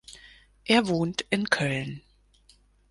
Er wohnt in Köln.